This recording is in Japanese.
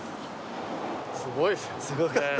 すごいですね。